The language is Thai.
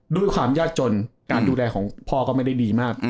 ด้วยความยากจนการดูแลของพ่อก็ไม่ได้ดีมาก